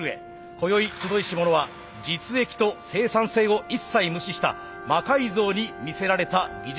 こよい集いし者は実益と生産性を一切無視した魔改造に魅せられた技術者たちです。